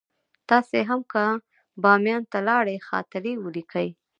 تاسې هم که باميان ته لاړئ خاطرې ولیکئ.